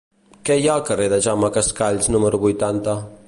Què hi ha al carrer de Jaume Cascalls número vuitanta?